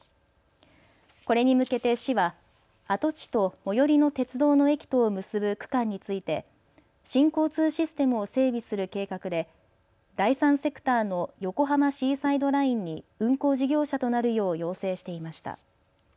これに向けて市は跡地と最寄りの鉄道の駅とを結ぶ区間について新交通システムを整備する計画で第三セクターの横浜シーサイドラインに運行事業者となるよう要請していました。